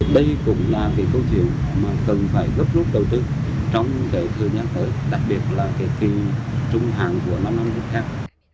đây cũng là cái câu chuyện mà cần phải gấp lúc đầu tư trong cái thời gian tới đặc biệt là cái kỳ trung hàng của năm năm trước khác